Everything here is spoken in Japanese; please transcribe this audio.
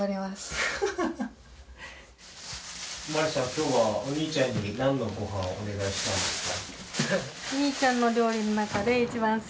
今日はお兄ちゃんに何のご飯をお願いしたんですか？